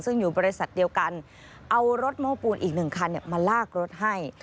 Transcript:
ซึ่งอยู่บริษัทเดียวกันเอารถโม้ปูนอีกหนึ่งคันมาลากรถให้